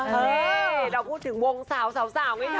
เฮ่ยเราพูดถึงวงสาวไงนะเดี๋ยว